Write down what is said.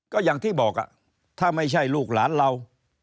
ก็อย่างที่บอกถ้าไม่ใช่ลูกหลานเรา